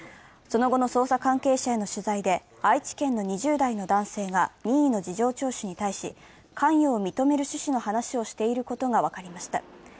その後の捜査関係者への取材で、愛知県の２０代の男性が任意の事情聴取に対し、関与を認める趣旨の話をしていることが分かりました。